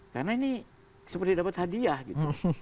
karena ini seperti dapat hadiah gitu